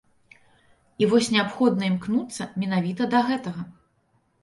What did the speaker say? І вось неабходна імкнуцца менавіта да гэтага.